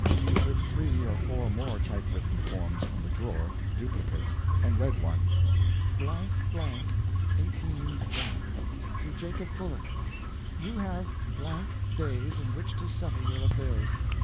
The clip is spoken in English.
She took three or four more typewritten forms from the drawer duplicates and read one: ..........,.........., 18... To Jacob Fuller: You have...... days in which to settle your affairs.